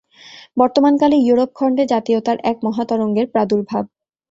বর্তমানকালে ইউরোপখণ্ডে জাতীয়তার এক মহাতরঙ্গের প্রাদুর্ভাব।